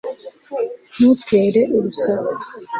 ntutere urusaku